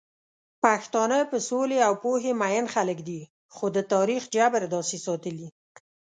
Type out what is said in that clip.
پښتانه په سولې او پوهې مئين خلک دي، خو د تاريخ جبر داسې ساتلي